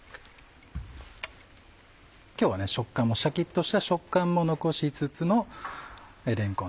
今日はシャキっとした食感も残しつつのれんこんですね。